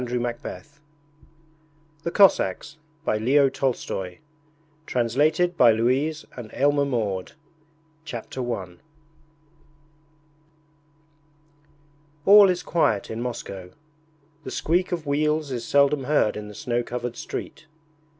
THE COSSACKS A Tale of 1852 By Leo Tolstoy (1863) Translated by Louise and Aylmer Maude Chapter I All is quiet in Moscow. The squeak of wheels is seldom heard in the snow covered street.